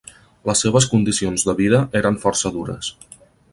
Les seves condicions de vida eren força dures.